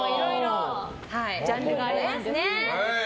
ジャンルがありますね。